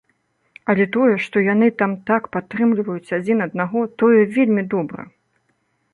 Але тое, што яны там так падтрымліваюць адзін аднаго, тое вельмі добра.